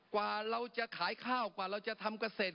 กว่าเราจะขายข้าวกว่าเราจะทำเกษตร